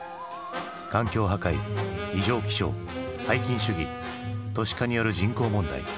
環境破壊異常気象拝金主義都市化による人口問題。